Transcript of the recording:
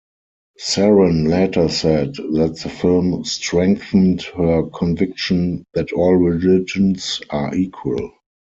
Saran later said that the film strengthened her conviction that all religions are equal.